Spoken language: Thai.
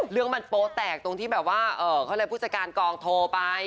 เรื่องมันโป๊แตกตรงที่แบบว่าเขาเรียกผู้จัดการกองโทรไป